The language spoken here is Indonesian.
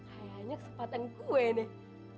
kayaknya kesempatan gue nih